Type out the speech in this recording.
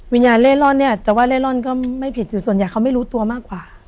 เล่ร่อนเนี่ยจะว่าเล่ร่อนก็ไม่ผิดคือส่วนใหญ่เขาไม่รู้ตัวมากกว่า